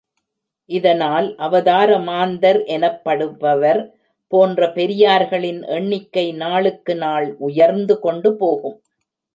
இதனால், அவதார மாந்தர் எனப்படுபவர் போன்ற பெரியார்களின் எண்ணிக்கை நாளுக்கு நாள் உயர்ந்து கொண்டு போகும்.